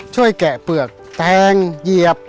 ช่วยแกะเปลือกแจงเหยียบ